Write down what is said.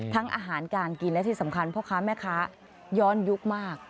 อาหารการกินและที่สำคัญพ่อค้าแม่ค้าย้อนยุคมาก